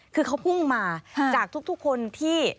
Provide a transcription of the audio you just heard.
คือเขาพุ่งมาจากทุกคนที่